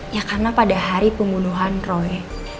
ya karena pada hari pembunuhan roy